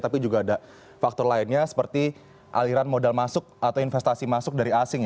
tapi juga ada faktor lainnya seperti aliran modal masuk atau investasi masuk dari asing